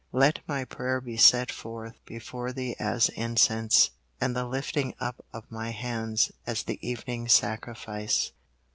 "LET MY PRAYER BE SET FORTH BEFORE THEE AS INCENSE: AND THE LIFTING UP OF MY HANDS AS THE EVENING SACRIFICE."